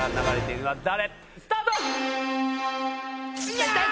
スタート！